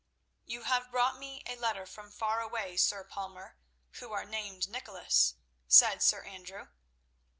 "You have brought me a letter from far away, Sir Palmer, who are named Nicholas," said Sir Andrew.